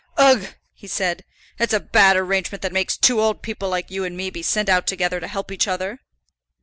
"Ugh!" he said, "it's a bad arrangement that makes two old people like you and me be sent out together to help each other."